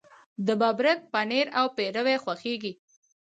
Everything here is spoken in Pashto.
د ببرک پنیر او پیروی خوښیږي.